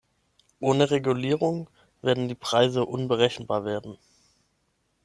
Ohne Regulierung werden die Preise unberechenbar werden.